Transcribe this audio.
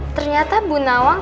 ternyata bu nawang